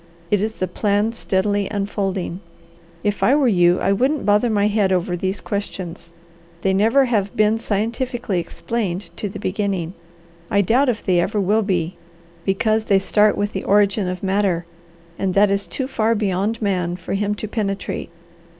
It is the plan steadily unfolding. If I were you, I wouldn't bother my head over these questions, they never have been scientifically explained to the beginning; I doubt if they ever will be, because they start with the origin of matter and that is too far beyond man for him to penetrate.